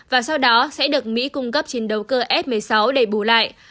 và sau đó sẽ được mỹ cung cấp chiến đấu cơ f một mươi sáu để bù lại